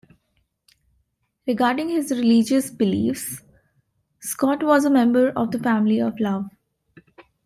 Regarding his religious beliefs, Scot was a member of the Family of Love.